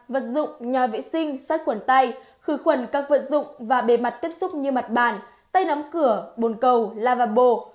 vật dụng nhà vệ sinh sát khuẩn tay khử khuẩn các vật dụng và bề mặt tiếp xúc như mặt bàn tay nắm cửa bồn cầu lavabo